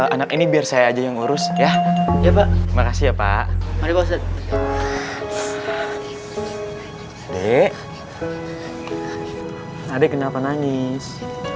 anak ini biar saya aja yang urus ya ya pak makasih ya pak adik kenapa nangis